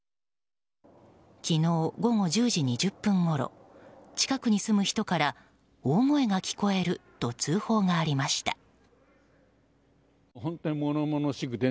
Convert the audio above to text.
昨日、午後１０時２０分ごろ近くに住む人から大声が聞こえると通報がありました。